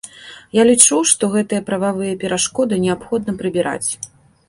Я лічу, што гэтыя прававыя перашкоды неабходна прыбіраць.